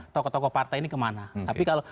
tokoh tokoh partai ini kemana tapi kalau